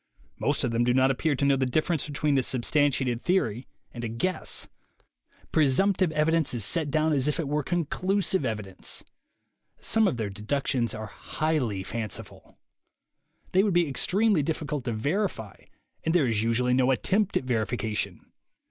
Most of them do not appear to know the difference between a substantiated theory and a guess. Presumptive THE WAY TO WILL POWER 87 evidence is set down as if it were conclusive evi dence. Some of their deductions are highly fanci ful. They would be extremely difficult to verify, and there is usually no attempt at verification.